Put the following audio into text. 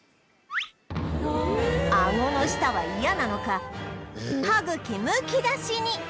あごの下は嫌なのか歯茎むき出しに